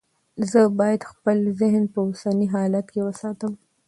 زه باید خپل ذهن په اوسني حالت کې وساتم.